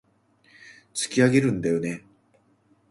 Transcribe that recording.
突き上げるんだよね